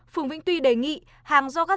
phường vĩnh tuy đề nghị hàng do các gia đình